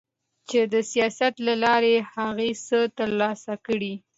چي د سياست له لارې هغه څه ترلاسه کړي